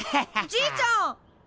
じいちゃん！